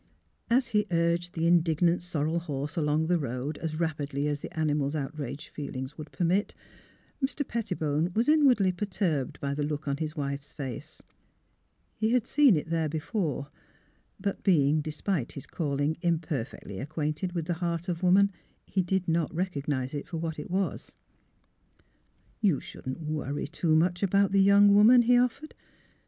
As he urged the indignant sorrel horse along the road as rapidlj^ as the animal's outraged feel ings would permit, Mr. Pettibone was inwardly 276 THE HEART OF PHILURA perturbed by the look on his wife's face. He had seen it there before; but being, despite his call ing, imperfectly acquainted with the heart of woman he did not recognise it for what it was. '' You shouldn't worry too much about the young woman," he offered.